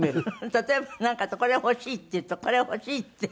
例えばなんかこれ欲しいっていうとこれ欲しいって。